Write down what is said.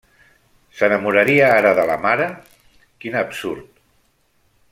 ¿S'enamoraria ara de la mare? Quin absurd!